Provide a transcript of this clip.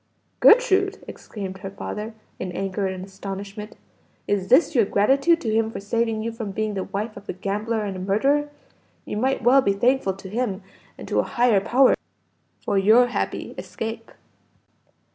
"Gertrude!" exclaimed her father, in anger and astonishment, "is this your gratitude to him for saving you from being the wife of a gambler and murderer? You might well be thankful to him and to a Higher Power, for your happy escape."